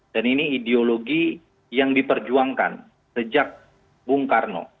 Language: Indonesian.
dan ini ideologi yang diperjuangkan sejak bung karno